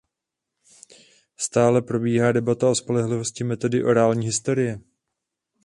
Stále probíhá debata o spolehlivosti metody orální historie.